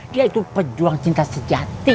dia itu pejuang cinta sejati